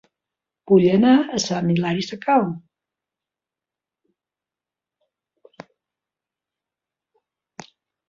Vull anar a Sant Hilari Sacalm